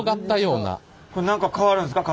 これ何か変わるんですか？